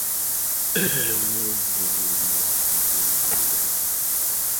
সেই পদে পরশু সাবেক অধিনায়ক হিথ স্ট্রিককে নিয়োগ দিল জিম্বাবুয়ে ক্রিকেট।